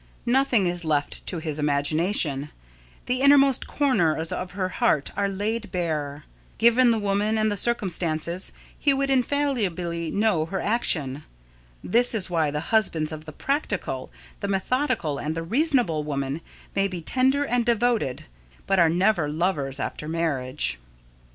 Nothing is left to his imagination the innermost corners of her heart are laid bare. Given the woman and the circumstances, he would infallibly know her action. This is why the husbands of the "practical," the "methodical," and the "reasonable" women may be tender and devoted, but are never lovers after marriage.